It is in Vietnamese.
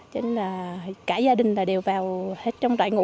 cho nên là cả gia đình đều vào hết trong rảy ngủ